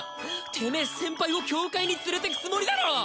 テメー先輩を境界に連れてくつもりだろう！